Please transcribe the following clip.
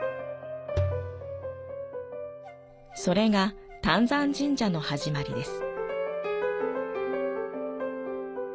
それが談山神社の始まりです。